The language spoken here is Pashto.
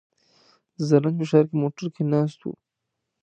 د زرنج په ښار کې موټر کې ناست و.